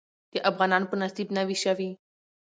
د افغانانو په نصيب نوى شوې.